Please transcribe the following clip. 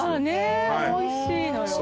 おいしいのよ